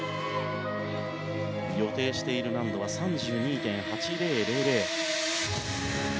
予定している難度は３２．８０００。